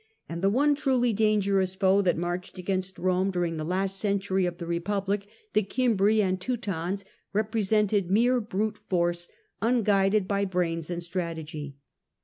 And the one truly dangerous foe that marched against Rome during the last century of the Republic — the Cimhri and Teutons — repre sented mere brute force unguided by brains and strategy.